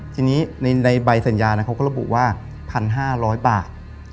ทีนี้ในใบสัญญาเขาก็ระบุว่า๑๕๐๐บาท